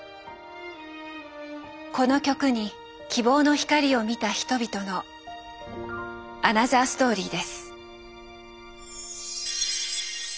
この曲に希望の光を見た人々のアナザーストーリーです。